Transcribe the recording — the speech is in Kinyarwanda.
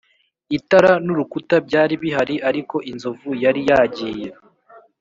itara n'urukuta byari bihari, ariko inzovu yari yagiye!